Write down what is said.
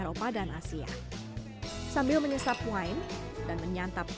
mournode ini tapi juga sekarang odhulu